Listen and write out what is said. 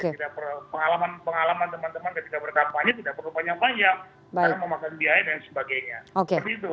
karena memakan biaya dan sebagainya